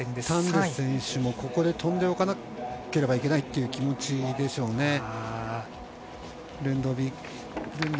タンデ選手もここで飛んでおかなければいけないという気持ちでしょうね。